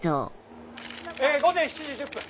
午前７時１０分。